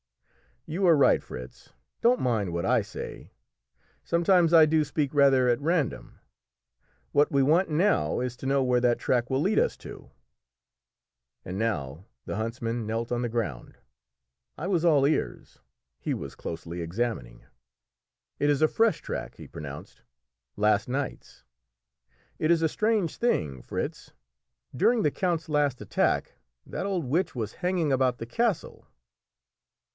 "You are right, Fritz; don't mind what I say; sometimes I do speak rather at random. What we want now is to know where that track will lead us to." And now the huntsman knelt on the ground. I was all ears; he was closely examining. "It is a fresh track," he pronounced, "last night's. It is a strange thing, Fritz, during the count's last attack that old witch was hanging about the castle."